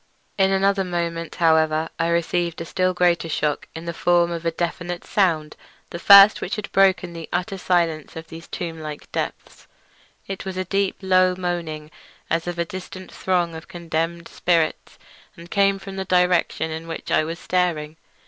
In another moment, however, I received a still greater shock in the form of a definite sound—the first which had broken the utter silence of these tomb like depths. It was a deep, low moaning, as of a distant throng of condemned spirits, and came from the direction in which I was staring.